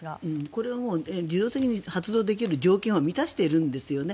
これは自動的に発動できる条件は満たしているんですよね。